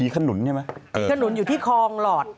ตรงนั้นคลองหลอด